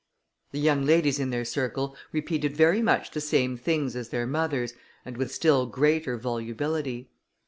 The young ladies in their circle repeated very much the same things as their mothers, and with still greater volubility.